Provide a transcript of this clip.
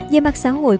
về mặt xã hội